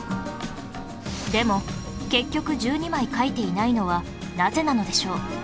でも結局１２枚描いていないのはなぜなのでしょう？